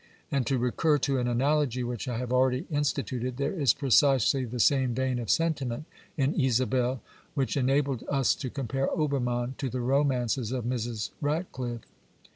And to recur to an analogy which I have already instituted, there is precisely the same vein of senti ment in Isabelle which enabled us to compare Obermann to the romances of Mrs. Radcliffe.